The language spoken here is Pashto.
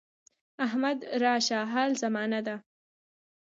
احمد راشه حال زمانه ده.